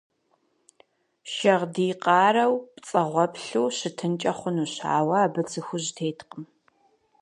Шагъдий къарэу, пцӀэгъуэплъу щытынкӏэ хъунущ, ауэ абы цы хужь теткъым.